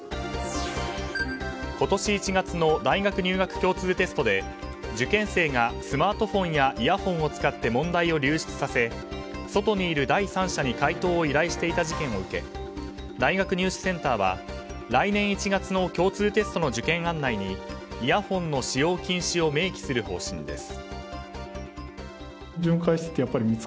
今年１月の大学入学共通テストで受験生がスマートフォンやイヤホンを使って問題を流出させ外にいる第三者に解答を依頼していた事件を受け大学入試センターは来年１月の共通テストの受験案内にイヤホンの使用禁止を明記する方針です。